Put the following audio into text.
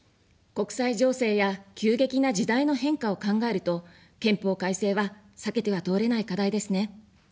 国際情勢や急激な時代の変化を考えると、憲法改正は避けては通れない課題ですね。